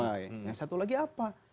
yang satu lagi apa